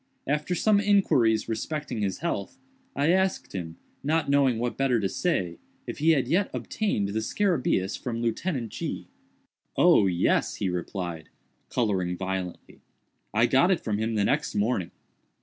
After some inquiries respecting his health, I asked him, not knowing what better to say, if he had yet obtained the scarabæus from Lieutenant G——. "Oh, yes," he replied, coloring violently, "I got it from him the next morning.